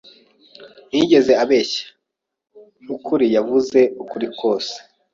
Ntiyigeze abeshya. Nkukuri, yavuze ukuri kose.